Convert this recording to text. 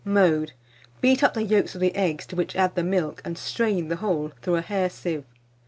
Mode. Beat up the yolks of the eggs, to which add the milk, and strain the whole through a hair sieve.